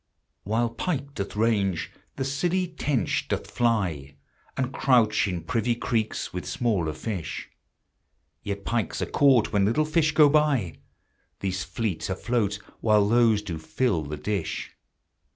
While pike doth range, the silly tench doth fly, And crouch in privy creeks with smaller fish; Yet pikes are caught when little fish go by; These fleet afloat while those do fill the dish.